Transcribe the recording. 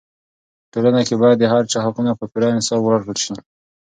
په ټولنه کې باید د هر چا حقونه په پوره انصاف ورکړل سي.